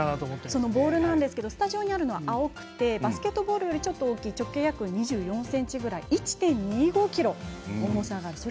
そのボールですがスタジオにあるのは青くてバスケットボールよりちょっと大きい直径２１ｃｍぐらい１．２５ｋｇあります。